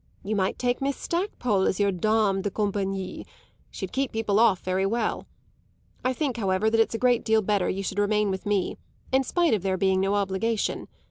You might take Miss Stackpole as your dame de compagnie; she'd keep people off very well. I think, however, that it's a great deal better you should remain with me, in spite of there being no obligation.